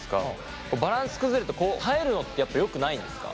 バランス崩れるとこう耐えるのってやっぱよくないんですか？